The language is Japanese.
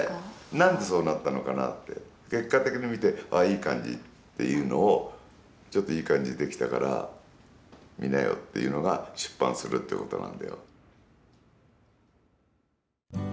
なんで、そうなったのかなって結果的に見てあ、いい感じっていうのをちょっと、いい感じにできたから見なよっていうのが出版するってことなんだよ。